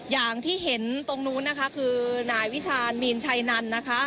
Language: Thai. อย่างที่เห็นตรงนู้นนะคะคือนายวิชาณมีนชัยนันนะคะ